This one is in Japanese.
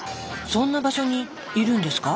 そんな場所にいるんですか？